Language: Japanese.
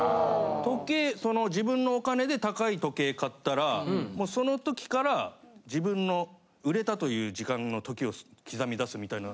時計その自分のお金で高い時計買ったらもうその時から自分の売れたという時間の時を刻み出すみたいな。